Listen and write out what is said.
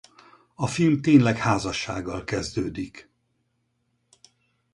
A film tényleg házassággal kezdődik.